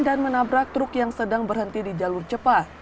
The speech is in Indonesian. dan menabrak truk yang sedang berhenti di jalur cepat